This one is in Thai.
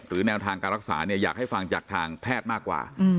แนวทางการรักษาเนี่ยอยากให้ฟังจากทางแพทย์มากกว่า